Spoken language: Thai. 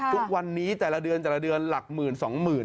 ทุกวันนี้แต่ละเดือนแต่ละเดือนหลักหมื่นสองหมื่น